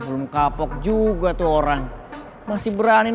siapa fury pake serum nih